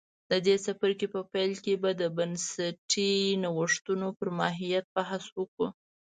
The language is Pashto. د دې څپرکي په پیل کې به د بنسټي نوښتونو پر ماهیت بحث وکړو